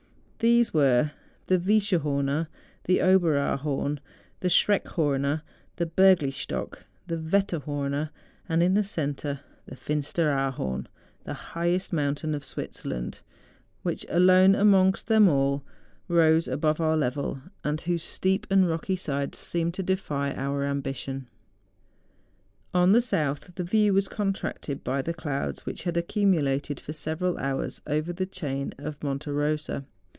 These were the Viescherhdrner, the Oberaarhorn, the Schreckhorner, the Berglistock, the Wetterhorner, and, in the centre, the Finsteraar horn, the highest mountain of Switzerland, which, alone amongst them all, rose above our level, and whose steep and rocky sides seemed to defy our ambition. On the south the view was contracted by the clouds which had accumulated for several hours over the chain of Monte Kosa.